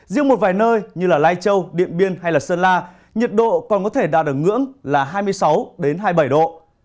riêng một vài nơi như lai châu điện biên hay sơn la nhiệt độ còn có thể đạt được ngưỡng là hai mươi sáu hai mươi bảy độ